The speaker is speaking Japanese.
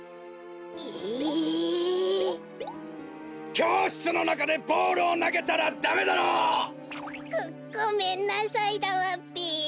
きょうしつのなかでボールをなげたらダメだろ！ごごめんなさいだわべ。